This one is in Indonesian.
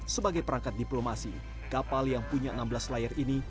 sebagai perangkat diplomasi kapal yang punya enam belas layar ini